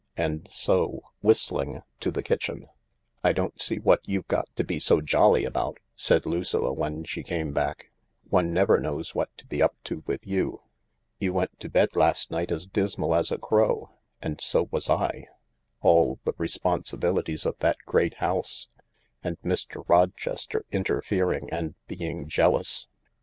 And so, whistling, to the kitchen. " I don't see what you've got to be so jolly about," said Lucilla when she came back. " One never knows what to be up to with you. You went to bed last night as dismal as a crow, and so was I— all the responsibilities of that great house, and Mr. Rochester interfering and being jealous